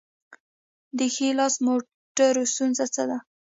د ښي لاس موټرو ستونزه څه ده؟